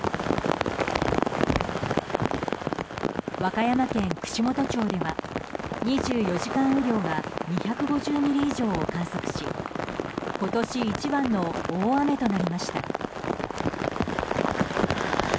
和歌山県串本町では２４時間雨量が２５０ミリ以上を観測し今年一番の大雨となりました。